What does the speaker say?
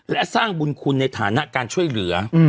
และสร้างบุญคุณในฐานะการช่วยเหลือ